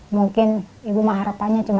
mungkin ibu mah harapannya cuma